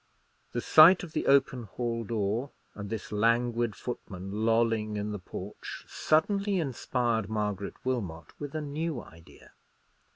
The sight of the open hall door, and this languid footman lolling in the porch, suddenly inspired Margaret Wilmot with a new idea.